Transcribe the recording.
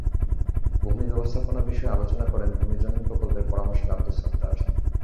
ভূমি ব্যবস্থাপনা বিষয়ে আলোচনা করেন ভূমি জোনিং প্রকল্পের পরামর্শক আব্দুস সাত্তার।